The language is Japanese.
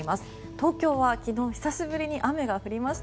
東京は昨日久しぶりに雨が降りました。